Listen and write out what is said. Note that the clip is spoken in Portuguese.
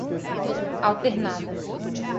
alternada